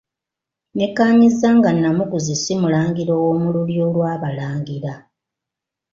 Nnekkaanyizza nga Nnamuguzi si mulangira ow'omu lulyo lw'Abalangira.